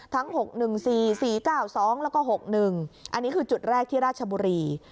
ทั้ง๖๑๔๔๙๒แล้วก็๖๑อันนี้คือจุดแรกที่ราชบุรี